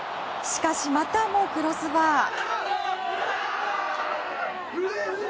しかし、またもクロスバー。